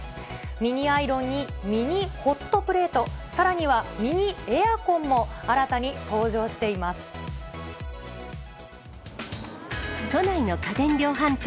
ミニアイロンにミニホットプレート、さらにはミニエアコンも新た都内の家電量販店。